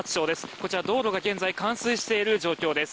こちら、道路が現在冠水している状況です。